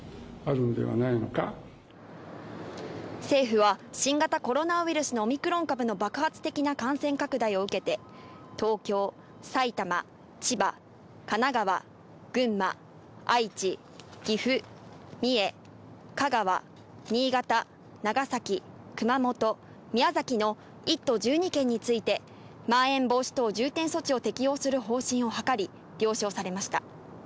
政府は新型コロナウイルスのオミクロン株の爆発的な感染拡大を受けて、東京、埼玉、千葉、神奈川、群馬、愛知、岐阜、三重、香川、新潟、長崎、熊本、宮崎の１都１２県についてまん延防止等重点措置を適用する方針を諮り、了承されました。